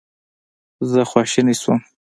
زه خواشینی شوم.